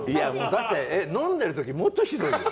だって、飲んでる時もっとひどいよ。